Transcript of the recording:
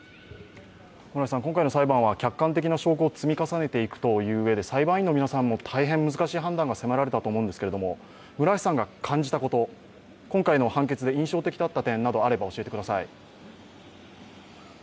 今回の裁判は客観的な証拠を積み重ねていくといううえで、裁判員の皆さんも大変難しい判断を迫られたと思うんですが感じたこと、今回の判決で印象的だった点などあれば、お話しください。